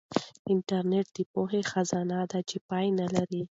انټرنیټ د پوهې خزانه ده چې پای نه لري.